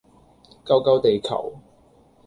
救救地球